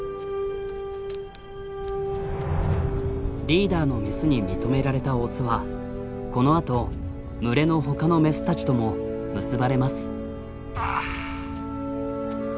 リーダーのメスに認められたオスはこのあと群れのほかのメスたちとも結ばれます。